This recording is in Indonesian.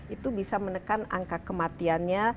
itu bisa menekan angka kematiannya